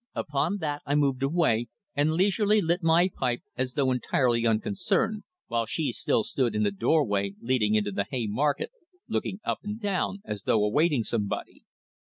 Upon that I moved away and leisurely lit my pipe, as though entirely unconcerned, while she still stood in the doorway leading to the Haymarket, looking up and down as though awaiting somebody.